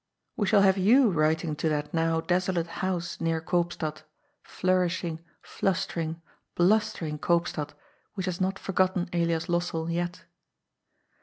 We shall have you writing to that now desolate house near Koopstad — flourish ing, flustering, blustering Koopstad, which has not for gotten Elias Lossell yet.